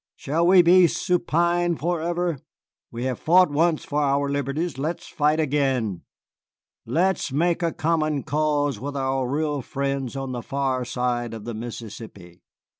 Shall we be supine forever? We have fought once for our liberties, let us fight again. Let us make a common cause with our real friends on the far side of the Mississippi."